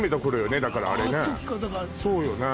そうよね。